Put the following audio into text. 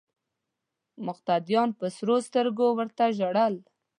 مقتدیانو په سرو سترګو ورته ژړل.